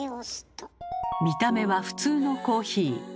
見た目は普通のコーヒー。